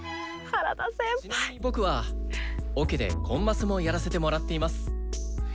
僕はオケでコンマスもやらせてもらっています。